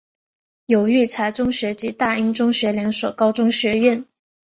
有育才中学及大英中学两所高中学院。